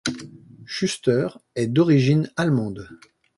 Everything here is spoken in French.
Schuster est d'origine allemande.